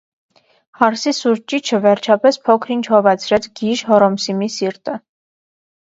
Հարսի սուր ճիչը, վերջապես, փոքր-ինչ հովացրեց գիժ-Հոռոմսիմի սիրտը.